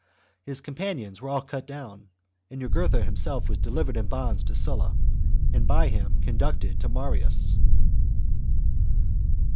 His companions were all cut down ; Jugurtha him.self was delivered in bonds to Sulla, and by him conducted to Marius.